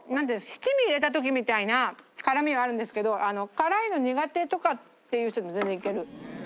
七味入れた時みたいな辛みはあるんですけど辛いの苦手とかっていう人でも全然いける。